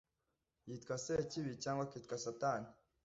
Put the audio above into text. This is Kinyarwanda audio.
yitwa Sekibi, cyangwa akitwa Satani